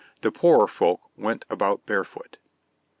The poorer folk went about barefoot.